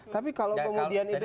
tapi kalau kemudian itu